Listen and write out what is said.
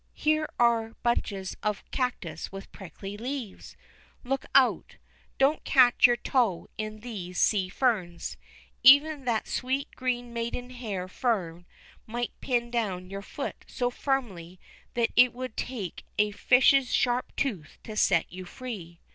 Here are bunches of cactus with prickly leaves. Look out! don't catch your toe in those sea ferns. Even that sweet green maiden hair fern might pin down your foot so firmly that it would take a fish's sharp tooth to set you free.